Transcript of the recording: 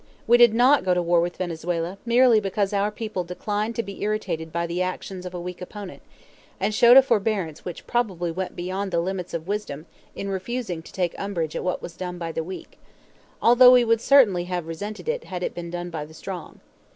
We did not go to war with Venezuela merely because our people declined to be irritated by the actions of a weak opponent, and showed a forbearance which probably went beyond the limits of wisdom in refusing to take umbrage at what was done by the weak; although we would certainly have resented it had it been done by the strong.